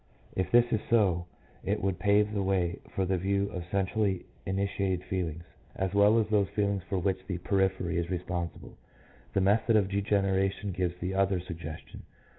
If this is so it would pave the way for the view of centrally initiated feelings, as well as those feelings for which the periphery is responsible. The method of degeneration gives the other sug gestion.